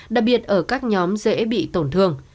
đặc biệt ở các nhóm dễ bị tổn thương